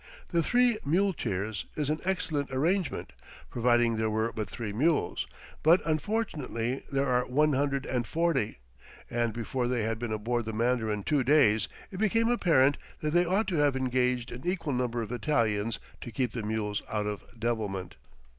The three muleteers is an excellent arrangement, providing there were but three mules, but unfortunately there are one hundred and forty, and before they had been aboard the Mandarin two days it became apparent that they ought to have engaged an equal number of Italians to keep the mules out of devilment.